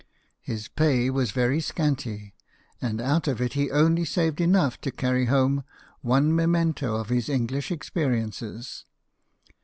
His pay was very scanty, and out of it he only saved enough to carry home one memento of his English experiences.